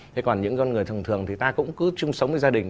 thế còn những con người thường thường thì ta cũng cứ chung sống với gia đình